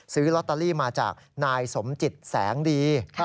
ซื้อลอตเตอรี่มาจากนายสมจิตแสงดี